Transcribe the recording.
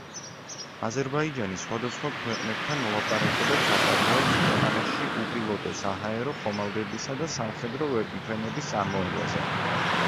აზერბაიჯანი სხვადასხვა ქვეყნებთან მოლაპარაკებებს აწარმოებს ქვეყანაში უპილოტო საჰაერო ხომალდებისა და სამხედრო ვერტმფრენების წარმოებაზე.